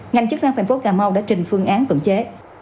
ngành chức năng thành phố cà mau đã trình phương án cưỡng chế